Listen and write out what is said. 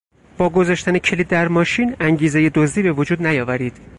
با گذاشتن کلید در ماشین انگیزهی دزدی به وجود نیاورید!